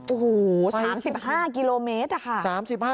โอ้โห๓๕กิโลเมตรอะค่ะ